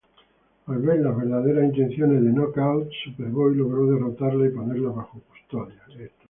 Al ver las verdaderas intenciones de Knockout, Superboy logró derrotarla y ponerla bajo custodia.